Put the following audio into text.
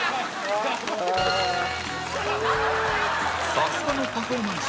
さすがのパフォーマンス！